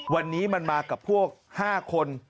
วันนี้มันมากับพวก๕คน